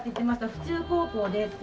府中高校でって。